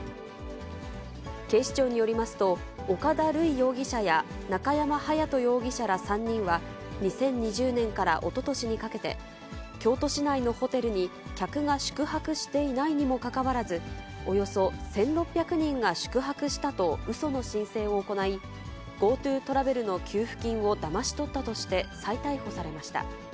警視庁によりますと、岡田塁容疑者や、中山勇人容疑者ら３人は、２０２０年からおととしにかけて、京都市内のホテルに客が宿泊していないにもかかわらず、およそ１６００人が宿泊したとうその申請を行い、ＧｏＴｏトラベルの給付金をだまし取ったとして、再逮捕されました。